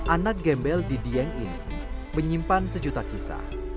anak gembel di dieng ini menyimpan sejuta kisah